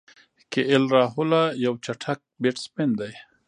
کی ایل راهوله یو چټک بیټسمېن دئ.